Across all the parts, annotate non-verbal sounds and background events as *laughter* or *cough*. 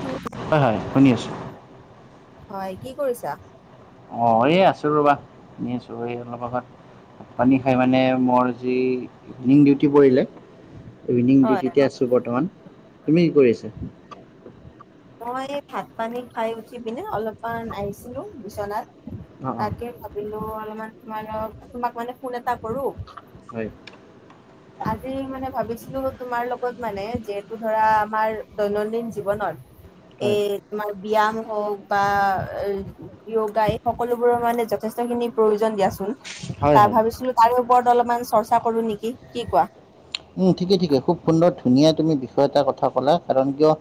শুনিছা হয়, শুনি আছোঁ। হয়, কি কৰিছা? অ', এই আছো ৰ'বা এনে আছো এই অলপ আগত পানী খাই মানে মোৰ যি ইভিনিং ডীউটি পৰিলে। ইভিনিং হয়, ডিউটিতে আছো বৰ্তমান। তুমি কি কৰিছা? মই ভাত-পানী খাই উঠি-পিনে অলপমান আহিছিলো বিচনাত, অঁ অঁ তাকে ভাবিলো অলপমান তোমাৰ লগত, তোমাক মানে ফোন এটা কৰো। হয়। আজি মানে ভাবিছিলো তোমাৰ লগত মানে, যিহেতু ধৰা আমাৰ দৈনন্দিন জীৱনত হয় এই তোমাৰ ব্যায়াম হওক বা য়োগাই সকলোবোৰৰ মানে যথেষ্ট খিনি প্ৰয়োজন দিয়াচোন। হয় তাৰ হয় ভাবিছিলো তাৰে ওপৰত অলপমান চৰ্চা কৰো নেকি। কি কোৱা? উম, ঠিকে, ঠিকে খুব সুন্দৰ ধুনীয়া তুমি বিষয় এটা কথা কলা কাৰণ, কিয়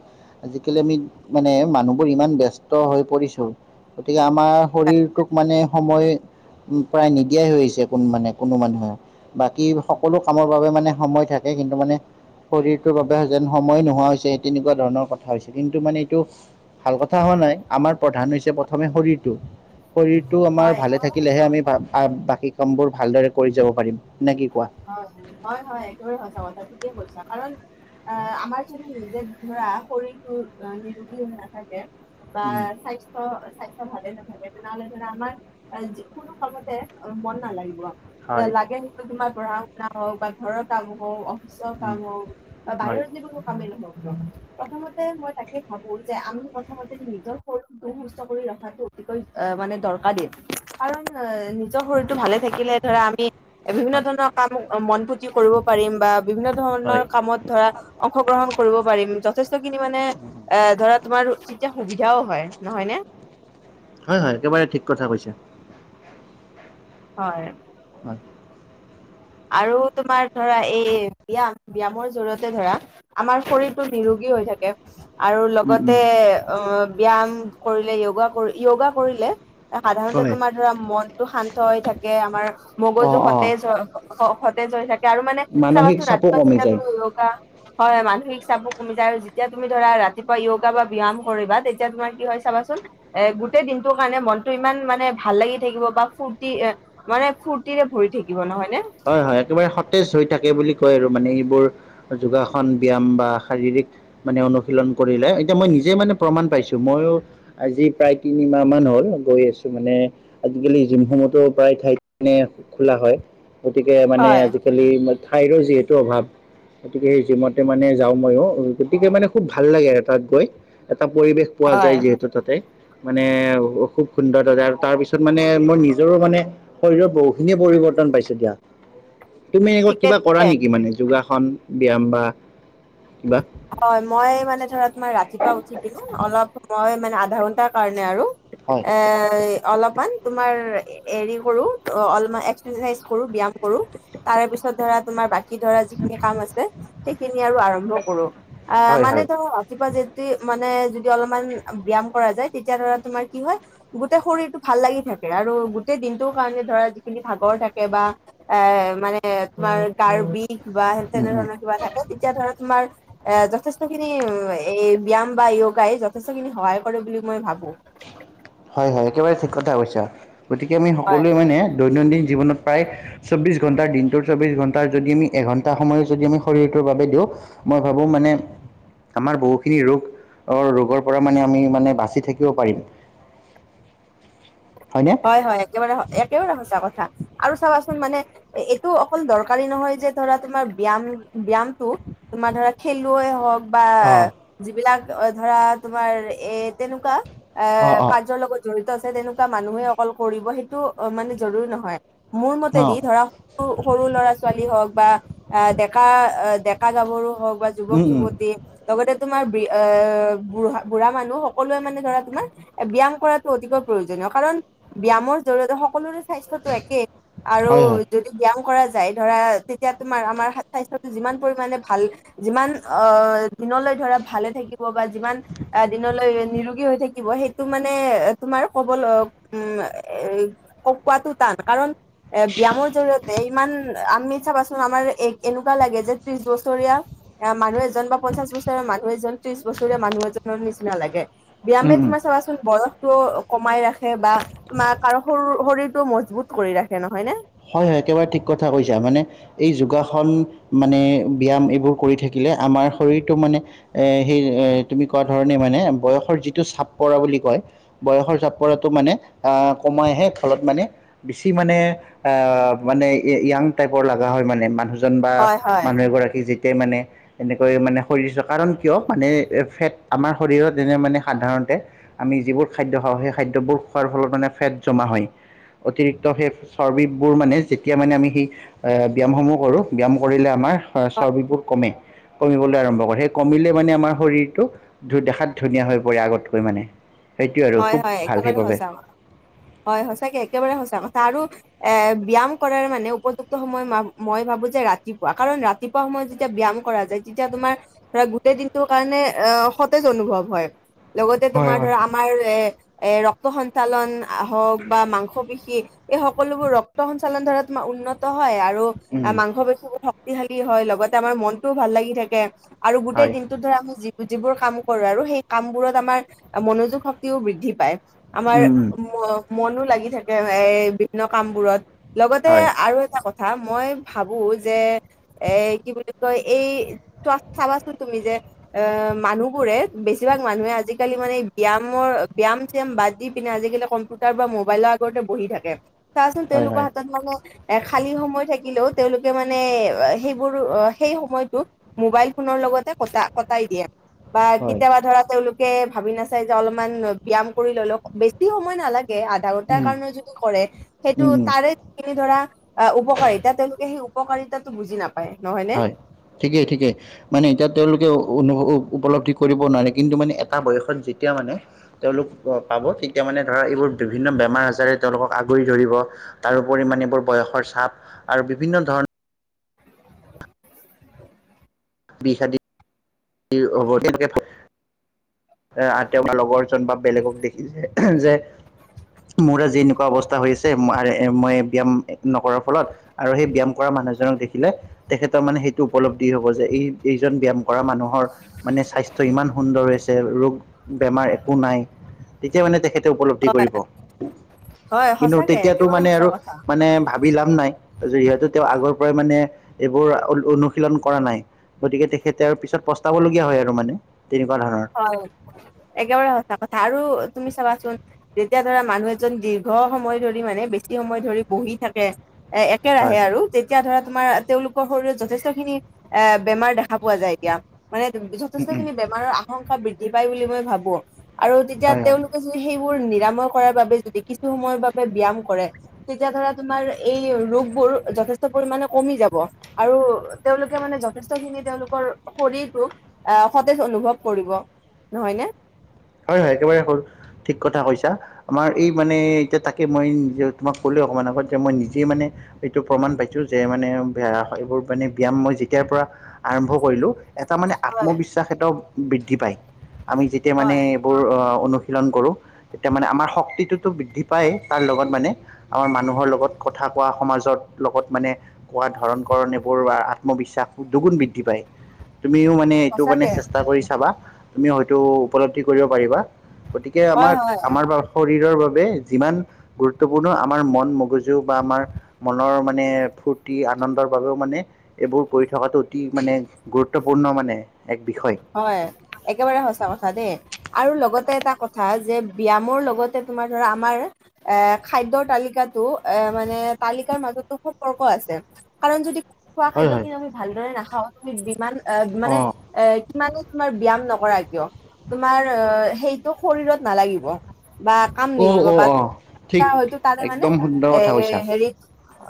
আজিকালি আমি মানে মানুহবোৰ ইমান ব্যস্ত হৈ পৰিছো গতিকে আমাৰ শৰীৰটোক মানে সময় প্ৰায় নিদিয়াই হৈ আহিছে কোন মানে কোনো মানুহে। বাকী সকলো কামৰ বাবে মানে সময় থাকে কিন্তু মানে শৰীৰটোৰ বাবে যেন সময় নোহোৱা হৈছে, সেই তেনেকুৱা ধৰণৰ কথা হৈছে কিন্তু মানে এইটো ভাল কথা হোৱা নাই আমাৰ প্ৰধান হৈছে প্ৰথমে শৰীৰটো। শৰীৰটো আমাৰ ভালে হয় থাকিলেহে আমি বাকী কাম বোৰ ভালদৰে কৰি যাব পাৰিম। নে কি কোৱা? হয়, হয়, হয়, হয়, একেবাৰে সঁচা কথা ঠিকে কৈছা। কাৰণ আহ আমাৰ যদি নিজে ধৰা শৰীৰটো নিৰোগী হৈ নাথাকে বা উম, স্বাস্থ্য অ', স্বাস্থ্য ভালে নাথাকিলে তেনেহ'লে আমাৰ যি কোনো কামতে অ', মন নালাগিব। হয় লাগে ন তোমাৰ পঢ়া-শুনা হওক বা ঘৰৰ কাম হওক। উম, কাম হক বা হয় বাহিৰৰ যিকোনো কামেই নহওক কিয়। প্ৰথমতে মই তাকে ভাবো যে, আমি প্ৰথমতে নিজৰ শৰীৰটো সুস্থ কৰি ৰখাটো মানে দৰকাৰী। কাৰণ এ নিজৰ শৰীৰটো ভালে থাকিলে ধৰা আমি বিভিন্ন ধৰণৰ কাম, মন পু্তি কৰিব পাৰিম বা বিভিন্ন হয়, ধৰণৰ কামত ধৰা অংশগ্ৰহণ কৰিব পাৰিম যথেষ্ট খিনি মানে এ, ধৰা তোমাৰ তেতিয়া সুবিধাও হয়, নহয় নে। হয়, হয়, একেবাৰে ঠিক কথা কৈছা। হয়। হয়। আৰু তোমাৰ ধৰা এই ব্যায়াম, ব্যয়ামৰ জৰিয়তে ধৰা। আমাৰ শৰীৰটো নিৰোগী হৈ থাকে। আৰু উম, উম। লগতে অ, ব্যায়াম কৰিলে য়গা কৰি য়গা কৰিলে। সাধাৰণতে হয়। তোমাৰ ধৰা মনটো শান্ত হৈ থাকে, আমাৰ অ', মগজু অ', সতেজ অ, সতেজ হৈ থাকে আৰু মানে মানসিক চাবাচোন চাপো ৰাতিপুৱা কমি যেতিয়া যায়। তুমি উ হয় হয় মানসিক চাপো কমি যায় আৰু যেতিয়া তুমি ধৰা ৰাতিপুৱা য়োগা বা ব্যায়াম কৰিবা তেতিয়া তোমাৰ কি হয় চাবাচোন। এ, গোটেই দিনটোৰ কাৰণে মনতটো ইমান মানে ভাল লাগি থাকিব বা ফুৰ্তি এ মানে ফুৰ্তিৰে ভৰি থাকিব নহয় নে। হয়, হয়, একেবাৰে সতেজ হৈ থাকে বুলি কয়, আৰু মানে এইবোৰ। যোগাসন ব্যায়াম বা শাৰীৰিক মানে অনুশীলন কৰিলে এতিয়া মই নিজে মানে প্ৰমাণ পাইছো মইও। আজি প্ৰায় তিনিমাহ মান হ'ল গৈ আছো মানে আজিকালি জিমসনতো প্ৰায় ঠাই খোলা হয়। গতিকে মানে হয় আজিকালি ঠাইৰো যিহেতু অভাৱ। গতিকে সেই জিমতে মানে যাওঁ মইও, গতিকে মানে খুব ভাল লাগে আৰু তাত গৈ, এটা পৰিৱেশ পোৱা হয় যায় যিহেতু। ততে, মানে খুব সুন্দৰ তাতে আৰু তাৰপিছত মানে মোৰ নিজৰো মানে শৰীৰত বহুখিনিয়ে পৰিৱৰ্তন পাইছে দিয়া। তুমি ঠিকে কিবা কৰা ঠিকে নেকি মানে যোগাসন ব্যায়াম বা কিবা হয় মই মানে ধৰা তোমাৰ ৰাতিপুৱা উঠি পিনে অলপ, মই মানে আধা ঘন্টাৰ কাৰণে আৰু হয় এ, অলপমান। তোমাৰ হেৰি কৰো অলমান, এক্সাৰচাইজ কৰো ব্যায়াম কৰো। তাৰে পিছত ধৰা তোমাৰ বাকি ধৰা যিখিনি কাম আছে সেইখিনি আৰু আৰম্ভ কৰো। অ, হয় মানে হয় ত ৰাতিপুৱা যদি মানে যদি অলপমান ব্যায়াম কৰা যায়, তেতিয়া ধৰা তোমাৰ কি হয়। গোটেই শৰীৰটো ভাল লাগি থাকে আৰু গোটেই দিনটো কাৰণে ধৰা যিখিনি ভাগৰ থাকে বা এ, মানে তোমাৰ কাৰবিষ বা উম উম তেনেধৰণৰ কিবা থাকে তেতিয়া ধৰা তোমাৰ এ, যথেষ্ট খিনি এই ব্যায়াম বা য়গাই যথেষ্ট খিনি সহায় কৰে বুলি মই ভাবো। হয় হয় একেবাৰে ঠিক কথা কৈছা, গতিকে আমি হয় সকলোৱে মানে দৈনন্দিন জীৱনত প্ৰায় চৌব্বিছ ঘণ্টাৰ দিনটোৰ চৌব্বিছ ঘণ্টাৰ যদি আমি এঘণ্টা সময় যদি আমি শৰীৰটোৰ বাবে দিওঁ মই ভাবো মানে, আমাৰ বহুখিনি ৰোগ অ, ৰোগৰ পৰা মানে আমি মানে বাচি থাকি। পাৰিম, হয় নে? হয়, একে একেবাৰে সঁচা কথা। আৰু চাবাচোন মানে এইটো অকল দৰকাৰী নহয় যে ধৰা তোমাৰ ব্যায়াম ব্যায়াম টো। তোমাৰ ধৰা খেলুৱৈ হ'ওক। বা অ', যিবিলাক ধৰা তোমাৰ এ, তেনেকুৱা এ, অ', অ'। কাৰ্যৰ লগত। জড়িত আছে, তেনেকুৱা মানুহে অকল কৰিব সেইটো মানে জৰুৰী নহয়, মোৰ মতেদি অ', ধৰা সৰু ল'ৰা-ছোৱালী হ'ওক বা ডেকা-ডেকা গাভৰু হ'ওক বা উম, উম, যুৱক-যুৱতী লগতে তোমাৰ বুঢ়া, বুঢ়া মানুহ সকলোৱে মানে ধৰা তোমাৰ ব্যায়াম কৰাতটো অতিকৈ প্ৰয়োজনীয়। কাৰণ ব্যায়ামৰ জৰিয়তে সকলোৰে স্বাস্থ্যতটো একেই হয়, আৰু- হয়, যদি ব্যায়াম কৰা যায় ধৰা তেতিয়া তোমাৰ আমাৰ স্বাস্থ্যটো যিমান পৰিমাণে ভাল। যিমান অ দিনলৈ ধৰা ভালে থাকিব। বা যিমান দিনলৈ নিৰোগী হৈ থাকিব সেইটো মানে তোমাৰ কবলে। উম এই কোৱাটো টান কাৰণ। এ ব্যায়ামৰ জৰিয়তে ইমান আমি চাপ আছো। আমাৰ এ এনেকুৱা লাগে যে ত্ৰিশ বছৰীয়া। আহ মানুহ এজন বা পঞ্চাশ বছৰে মানুহ এজন ত্ৰিশ বছৰে মানুহ এজনৰ নিচিনা লাগে। ব্যায়ামে উম, উম। তোমাৰ চাবাচোন বয়সটো কমাই ৰাখে বা তোমাৰ কাৰু আৰু শৰীৰতটো মজবুত। কৰি ৰাখে নহয় নে? হয় হয় একেবাৰে ঠিক কথা কৈছা মানে- এই যোগাসন মানে ব্যায়াম এইবোৰ কৰি থাকিলে আমাৰ শৰীৰটো মানে- এ সেই এ তুমি কোৱা ধৰণে মানে বয়সৰ যিটো চাপ পৰা বুলি কয়। বয়সৰ চাপ পৰাটো মানে আহ কমাইহে ফলত মানে বেছি মানে- অ মানে য়াং টাইপৰ লগা হয় মানে মানুহজন বা হয় হয় মানুহ এগৰাকী যি- তে মানে- এনেকৈ মানে শৰীৰ কাৰণ কিয় মানে ফেট আমাৰ শৰীৰত তেনে মানে সাধাৰণতে। আমি যিবোৰ খাদ্য খাওঁ সেই খাদ্যবোৰ খোৱাৰ ফলত মানে ফেট জমা হয় অতিৰিক্ত সেই- চৰ্বিতবোৰ মানে যেতিয়া মানে আমি সেই ব্যায়ামসমূহ কৰোঁ ব্যায়াম কৰিলে আমাৰ। চৰ্বিবোৰ কমে- কমিবলৈ আৰম্ভ কৰে সেই কমিলে মানে আমাৰ শৰীৰটো দেখাত ধুনীয়া হৈ পৰে আগতকৈ মানে। সেইটোৱে আৰু হয় খুব হয় ভাল একেবাৰে কৰিলে- সঁচা হয় সঁচাকে একেবাৰে সঁচা কথা আৰু- এ ব্যায়াম কৰাৰ মানে উপযুক্ত সময় মই ভাবো যে ৰাতিপুৱা কাৰণ। ৰাতিপুৱা সময়ত যেতিয়া ব্যায়াম কৰা যায় তেতিয়া তোমাৰ- ধৰা গোটেই দিনটো কাৰণে অ সতেজ অনুভৱ হয় লগতে হয় তোমাৰ হয় ধৰা আমাৰ এ- ৰে ৰক্ত সঞ্চালন হওক বা মাংস পেশী- এই সকলোবোৰ ৰক্ত সঞ্চালন ধৰা তোমাৰ উন্নত। হয় আৰু মাংস পেশীৰ শক্তিশালী হয় লগতে আমাৰ মনটোও ভাল লাগি থাকে। আৰু হয় গোটেই হয় দিনটোত ধৰা আমি যি যিবোৰ কাম কৰোঁ আৰু সেই কাম বোৰত আমাৰ মনোযোগ। শক্তিও বৃদ্ধি পায় আমাৰ উম, উম, মনো লাগি থাকে এ বিভিন্ন কামবোৰত। লগতে হয় আৰু এটা কথা মই ভাবো যে- এ কি বুলি কয় এই চাবাচো তুমি যে- অ মানুহবোৰে বেছিভাগ মানুহে আজিকালি মানে ব্যায়াম। বৰ ব্যায়াম-চিয়াম বাদ দি পিনে আজিকালি কম্পিউটাৰ বা মোবাইলৰ আগতে বহি থাকে। তাৰ পিছত তেওঁ হয় লোকৰ হয় হাতত মানে- এ খালী সময় থাকিলেও তেওঁলোকে মানে সেইবোৰ সেই সময়টোত- মোবাইল ফোনৰ লগতে কটা কটাই দিয়ে বা হয় কেতিয়াবা ধৰা তেওঁলোকে ভাবি নাচায়। অলপমান ব্যায়াম কৰি ললেও বেছি সময় নালাগে। তাৰ উম, কাৰণে যিটো কৰে সেইটো উম, উম। তাৰে- ধৰা উপকাৰিতা তেওঁলোকে সেই উপকাৰিতাতটো বুজি নাপায় নহয় নে? ঠিকে ঠিকে। মানে এতিয়া তেওঁলোকে উপলব্ধি কৰিব নোৱাৰে কিন্তু মানে এটা বয়সত যেতিয়া মানে তেওঁলোক পাব তেতিয়া মানে ধৰা এইবোৰ বিভিন্ন বেমাৰ আজাৰে তেওঁলোকক আগুৰি ধৰিব। তাৰোপৰি মানে এইবোৰ বয়সৰ চাপ আৰু বিভিন্ন ধৰ বিষাদি কি হ'ব। *unintelligible* এ *unintelligible* লগৰজন বা বেলেগক দেখিছে যে। মোৰ আজি এনেকুৱা অৱস্থা হৈ আছে *unintelligible* মই ব্যায়াম নকৰাৰ ফলত। আৰু সেই ব্যায়াম কৰা মানুহজনক দেখিলে। তেখেতৰ মানে সেইটো উপলব্ধি হ'ব যে এই-এইজন ব্যয়াম কৰা মানুহ। মানে স্বাস্থ্য ইমান সুন্দৰ হৈছে ৰোগ বেমাৰ একো নাই। তেতিয়া মানে তেখেতে উপলব্ধি কৰিব হয় কিন্তু সঁচাকে তেতিয়াতো একেবাৰে মানে সঁচা আৰু কথা মানে। ভাবি লাভ নাই যিহেতু তেওঁ আগৰ পৰাই মানে এইবোৰ *unintelligible* অনুশীলন কৰা নাই। গতিকে তেখেতে আৰু পিছত পস্তাব লগীয়া হয় আৰু মানে তেনেকুৱা ধৰণ হয় একেবাৰে সঁচা কথা আৰু তুমি চাবাচোন। যেতিয়া ধৰা মানুহ এজন দীৰ্ঘ সময় ধৰি মানে বেছি সময় ধৰি বহি থাকে। এ-একেৰাহে হয় আৰু। তেতিয়া ধৰা তোমাৰ তেওঁলোকৰ শৰীৰত যথেষ্ট খিনি এ বেমাৰ দেখা পোৱা যায় এতিয়া। মানে উম, যথেষ্ট উম, খিনি বেমাৰৰ আশংকা বৃদ্ধি পায় বুলি মই ভাবোঁ আৰু তেতিয়া হয় হয় তেওঁলোক সেই-সেইবোৰ নিৰাময় কৰাৰ বাবে যদি কিছু সময়ৰ বাবে ব্যয়াম কৰে। তেতিয়া ধৰা তোমাৰ এই ৰোগবোৰ যথেষ্ট পৰিমাণে কমি যাব। আৰু তেওঁলোকে মানে যথেষ্ট খিনি তেওঁলোকৰ শৰীৰটোক আহ সতেজ অনুভৱ। কৰিব নহয় নে? হয় হয় একেবাৰে ঠিক কথা কৈছা। আমাৰ এই মানে এতিয়া তাকে মই তোমাক কলোঁৱে অকণমান আগত যে মই নিজে মানে। এইটো প্ৰমাণ পাইছোঁ যে মানে এইবোৰ মানে ব্যায়াম মই যেতিয়াৰ পৰা আৰম্ভ কৰিলোঁ। এটা মানে হয়, আত্মবিশ্বাস এটাও বৃদ্ধি পায় আমি যেতিয়া মানে। হয়, বোৰ অ অনুশীলন কৰোঁ তেতিয়া মানে আমাৰ শক্তিটোতো বৃদ্ধি পায় তাৰ লগত মানে। আমাৰ মানুহৰ লগত কথা কোৱা সমাজত লগত মানে। কোৱা ধৰণ কৰণ এইবোৰ আ-আত্মবিশ্বাস দুগুণ বৃদ্ধি পায় তুমিও মানে এইটো মানে সঁচাকে। চেচ ষ্টা কৰি চাবা তুমি হয়তো উপলব্ধি কৰিব পাৰিবা গতিকে হয়, আমাক হয়, আমাৰ বা শৰীৰৰ বাবে যিমান গুৰুত্বপূৰ্ণ আমাৰ মন মগজু বা আমাৰ। মনৰ মানে ফূৰ্তি আনন্দৰ বাবেও মানে। এইবোৰ কৰি থকাটো অতি মানে গুৰুত্বপূৰ্ণ মানে এক বিষয়। হয় একেবাৰে সঁচা কথা দে। আৰু লগতে এটা কথা যে ব্যয়ামৰ লগতে তোমাৰ ধৰা আমাৰ। এ খাদ্যৰ তালিকাটো এ মানে তালিকাৰ মাজতো সম্পৰ্ক আছে। কাৰণ যদি খোৱা হয় খাদ্য হয় খিনি আমি ভালদৰে নাখাওঁ আমি বিমান আহ অ মানে এ *unintelligible* তোমাৰ ব্যায়াম নকৰা কিয়। তোমাৰ আ সেইটো শৰীৰত নালাগিব বা। কাম অ' নিদিব অ' বা অ' ঠিক *unintelligible* তাৰে মানে একদম সুন্দৰ কথা এ কৈছা হে-হেৰিত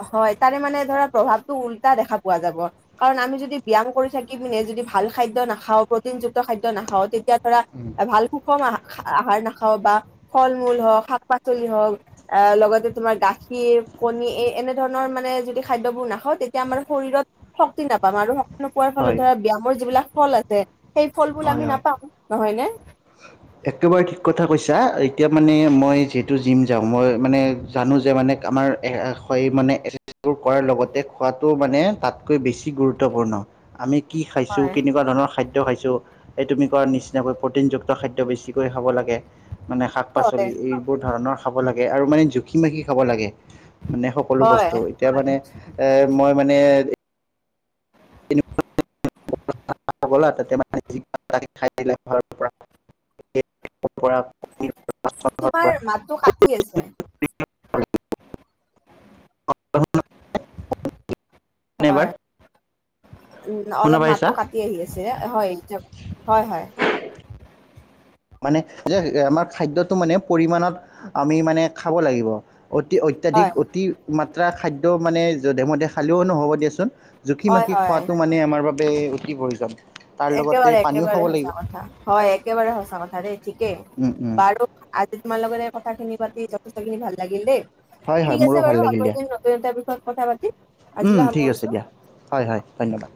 হয় তাৰে মানে ধৰা প্ৰভাৱটো উল্টা দেখা পোৱা যাব। কাৰণ আমি যদি ব্যায়াম কৰি থাকি পিনে যদি ভাল খাদ্য নাখাওঁ প্ৰটিনযুক্ত খাদ্য নাখাওঁ তেতিয়া ধৰা। উম। ভাল সুষম আহ-আহাৰ নাখাওঁ বা ফল মূল হওক শাক পাচলি হওক। আহ লগতে তোমাৰ গাখীৰ কণী এই এনে ধৰণৰ মানে যদি খাদ্যবোৰ নাখাওঁ তেতিয়া আমাৰ শৰীৰত। শক্তি নাপাম আৰু শক নোপোৱাৰ ফলত হয় ধৰা ব্যায়ামৰ যিবিলাক ফল আছে, সেই ফলবোৰ হয় আমি হয় নাপাওঁ নহয় নে? *inaudible* একেবাৰে ঠিক কথা কৈছা। এতিয়া মানে মই যিহেতু জিম যাওঁ, মই মানে জানো যে মানে আমাৰ এ হ হয় মানে কৰাৰ লগতে খোৱাটো মানে তাতকৈ বেছি গুৰুত্বপূৰ্ণ। আমি কি খাইছোঁ, হয় কেনেকুৱা ধৰণৰ খাদ্য খাইছোঁ এই তুমি কৰা নিচিনাকৈ প্ৰ'টিনযুক্ত খাদ্য বেছিকৈ খাব লাগে মানে শাক হয় পাচলি, এই এইবোৰ ধৰণৰ খাব লাগে আৰু মানে জুখি মাখি খাব লাগে, মানে সকলো হয় বস্তু। এতিয়া মানে, এ মই মানে *unintelligible* তোমাৰ, পৰা মাতটো কাটি আছে। হয় এবাৰ উম শুনা অলপ মাতো পাইছা কাটি কি আহি আছে? হয় হয় হয়। মানে এ যে আমাৰ খাদ্যটো মানে পৰিমানত আমি মানে খাব লাগিব। অতি হয় অত্যাধিক অতি মাত্ৰা খাদ্য মানে যধে মধে খালেও নহ'ব দিয়াচোন। জুখি হয় মাখি হয় খোৱাটো মানে আমাৰ বাবে অতি প্ৰয়োজন। তাৰ লগতে একেবাৰে পানীও একেবাৰে খাব সঁচা লাগিব। কথা। হয়, একেবাৰে সঁচা কথা ৰে ঠিকেই। উম, উম, বাৰু আজি তোমাৰ লগতে কথাখিনি পাতি যথেষ্টখিনি ভাল লাগিল দেই‌। হয়, ঠিক হয় আছে মোৰো ভাল বাৰু লাগিল আকৌ দিয়া। দুই এটাৰ বিষয়ত কথা পাতি উম ঠিক আছে দিয়া। হয় হয় ধন্যবাদ।